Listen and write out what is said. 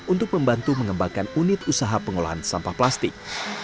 untuk membantu mengembangkan unit usaha pengolahan sampah plastik